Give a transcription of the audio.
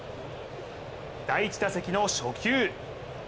第１打席の初球。